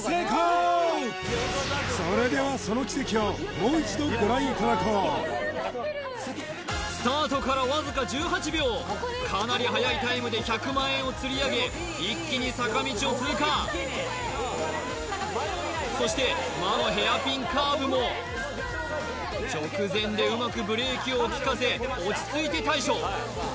それではご覧いただこうスタートからわずか１８秒かなり速いタイムで１００万円を釣り上げ一気に坂道を通過そして魔のヘアピンカーブも直前でうまくブレーキをきかせ落ち着いて対処